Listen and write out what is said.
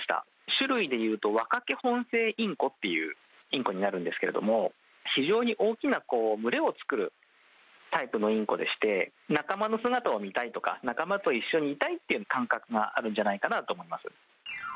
種類で言うと、ワカケホンセイインコというインコになるんですけれども、非常に大きな群れを作るタイプのインコでして、仲間の姿を見たいとか、仲間と一緒にいたいっていう感覚があるんじゃないかなと思います。